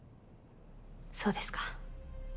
そうですか。